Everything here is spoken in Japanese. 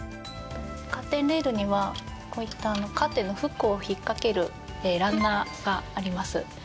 カーテンレールにはこういったカーテンのフックを引っ掛けるランナーがあります。